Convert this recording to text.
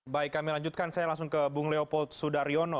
baik kami lanjutkan saya langsung ke bung leopold sudaryono